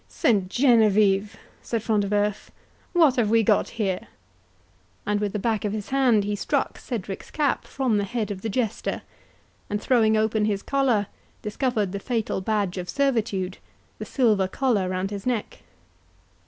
"Saint Genevieve!" said Front de Bœuf, "what have we got here?" And with the back of his hand he struck Cedric's cap from the head of the Jester, and throwing open his collar, discovered the fatal badge of servitude, the silver collar round his neck.